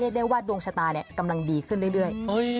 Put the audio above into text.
ได้ว่าดวงชะตากำลังดีขึ้นเรื่อย